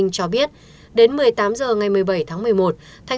cho biết đến một mươi tám h ngày một mươi bảy tháng một mươi một thành